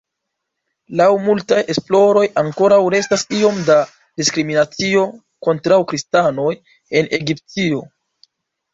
Laŭ multaj esploroj, ankoraŭ restas iom da diskriminacio kontraŭ kristanoj en Egiptio.